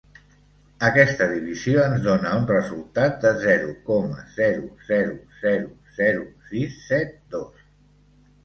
Aquesta divisió ens dóna un resultat de zero coma zero zero zero zero sis set dos.